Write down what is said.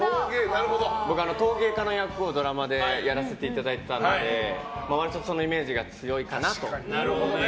僕、陶芸家の役をドラマでやらせてもらったので割と、そのイメージが強いかなと。